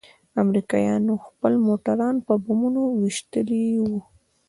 امريکايانوخپل موټران په بمونو ويشتلي وو.